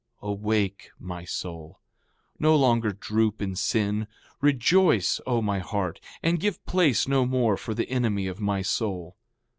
4:28 Awake, my soul! No longer droop in sin. Rejoice, O my heart, and give place no more for the enemy of my soul.